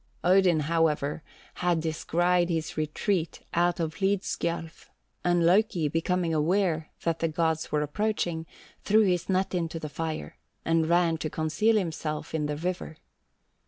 Odin, however, had descried his retreat out of Hlidskjalf, and Loki becoming aware that the gods were approaching, threw his net into the fire, and ran to conceal himself in the river.